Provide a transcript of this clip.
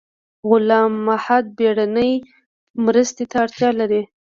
غلام محد بیړنۍ مرستې ته اړتیا لري